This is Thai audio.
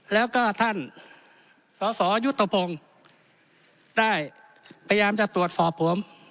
แล้วก็ท่านศศยุตโปรงได้พยายามจะตรวจฟอบผม